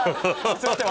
すいません